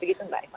begitu mbak eva